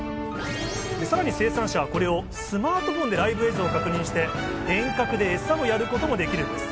さらに生産者はこれをスマートフォンでライブ映像を確認して遠隔でエサやりをすることもできるんです。